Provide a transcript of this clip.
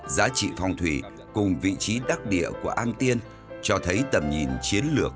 giá trị phong thủy cùng vị trí đắc địa của am tiên cho thấy tầm nhìn chiến lược